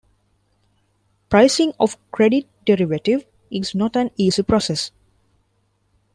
Pricing of credit derivative is not an easy process.